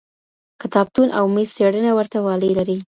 کتابتون او میز څېړنه ورته والی لري.